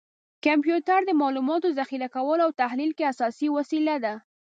کمپیوټر د معلوماتو ذخیره کولو او تحلیل کې اساسي وسیله ده.